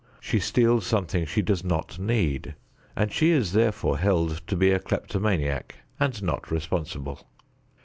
She steals something she does not need, and she is therefore held to be a kleptomaniac and not responsible.